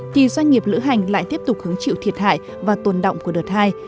thì doanh nghiệp lữ hành lại tiếp tục hứng chịu thiệt hại và tồn động của đợt hai